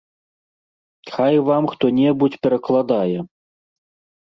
Хай вам хто-небудзь перакладае.